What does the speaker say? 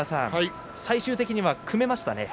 最終的には組めましたね。